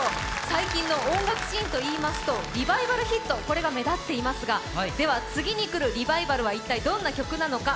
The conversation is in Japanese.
最近の音楽シーンといいますとリバイバルヒットが目立っていますが、では次にくるリバイバルは一体どんな曲なのか。